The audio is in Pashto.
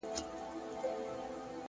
علم د پوهې رڼا خپروي،